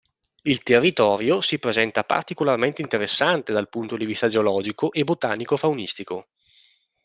Il territorio si presenta particolarmente interessante dal punto di vista geologico e botanico-faunistico.